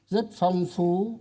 rất phong phú